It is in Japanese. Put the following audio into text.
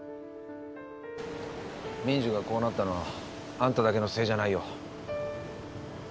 ミンジュンがこうなったのはあんただけのせいじゃないよ。